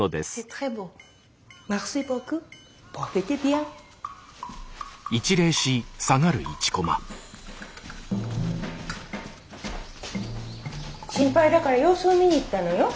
ヤバい心配だから様子を見に行ったのよ。